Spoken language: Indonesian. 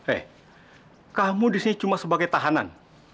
eh kamu disini cuma sebagai tahanan